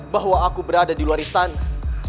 bahwa aku berada di luar istana